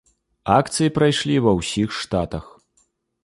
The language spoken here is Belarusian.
Акцыі прайшлі ва ўсіх штатах.